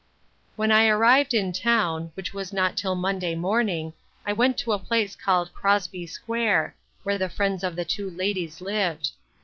When I arrived in town, which was not till Monday morning, I went to a place called Crosby square, where the friends of the two ladies lived.